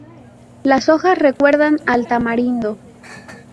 Las hojas recuerdan al tamarindo.